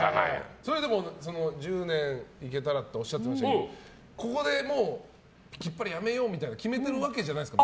１０年いけたらっておっしゃってましたけどここできっぱりやめようって決めてるわけじゃないんですか。